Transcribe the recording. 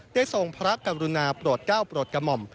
ได้ส่งพระกรุณาโปรดเก้าโปรดกระหม่อม